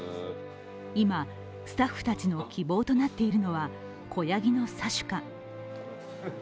今スタッフたちの希望となっているのは、子やぎのサシュカ。